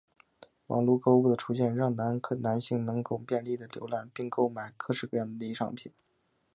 网路购物的出现让男性能够更便利地浏览并购买各式各样的内衣商品。